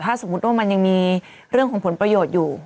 ตราบใดที่ตนยังเป็นนายกอยู่